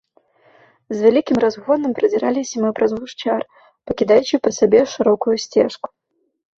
З вялікім разгонам прадзіраліся мы праз гушчар, пакідаючы па сабе шырокую сцежку.